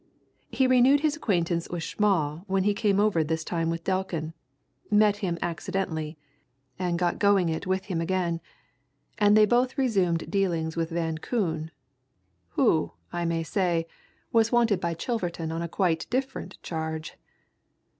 He renewed his acquaintance with Schmall when he came over this time with Delkin met him accidentally, and got going it with him again and they both resumed dealings with Van Koon who, I may say, was wanted by Chilverton on a quite different charge.